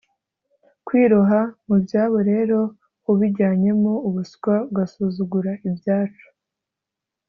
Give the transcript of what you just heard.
kwiroha mu byabo rero ubijyanyemo ubuswa, ugasuzugura ibyacu